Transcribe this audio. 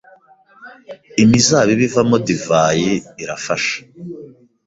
imizabibu ivamo divayi irafasha